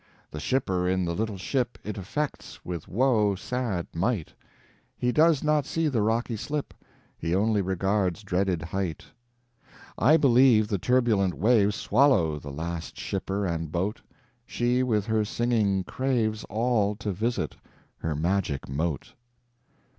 The shipper in the little ship It effects with woe sad might; He does not see the rocky slip, He only regards dreaded height. I believe the turbulent waves Swallow the last shipper and boat; She with her singing craves All to visit hermagic moat.